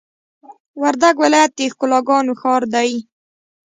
وردګ ولایت د ښکلاګانو ښار دی!